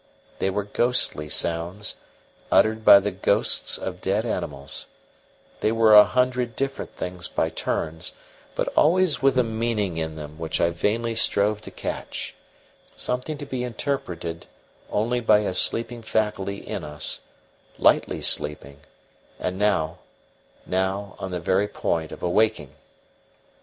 They were ghostly sounds, uttered by the ghosts of dead animals; they were a hundred different things by turns, but always with a meaning in them, which I vainly strove to catch something to be interpreted only by a sleeping faculty in us, lightly sleeping, and now, now on the very point of awaking!